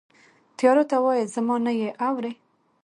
تیارو ته وایه، زمانه یې اورې